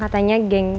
katanya sih gitu